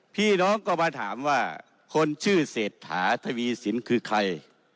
พี่น้องก็มาถามว่าคนชื่อเศรษฐาทวีสินคือใคร